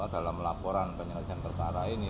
dalam laporan penyelesaian perkara ini